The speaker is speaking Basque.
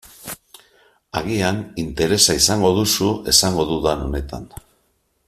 Agian interesa izango duzu esango dudan honetan.